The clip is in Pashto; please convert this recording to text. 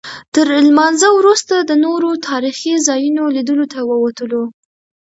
تر لمانځه وروسته د نورو تاریخي ځایونو لیدلو ته ووتلو.